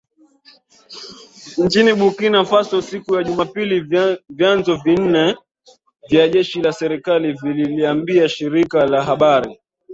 nchini Burkina Faso siku ya Jumapili vyanzo vinne vya jeshi la serikali vililiambia shirika la habari